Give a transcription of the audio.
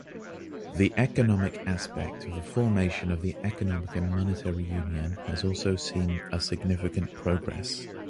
The economic aspect of the formation of the economic and monetary union has also seen a significant progress.